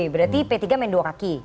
berarti p tiga main dua kaki